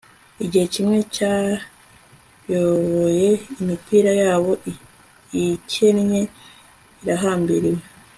Igihe kimwe cyayoboye imipira yabo ikennye irahambiriwe